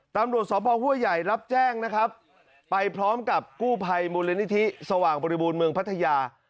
ตำรวจสพห้วยใหญ่รับแจ้งนะครับไปพร้อมกับกู้ภัยมูลนิธิสว่างบริบูรณ์เมืองพัทยา